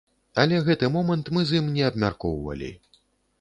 Але гэты момант мы з ім не абмяркоўвалі.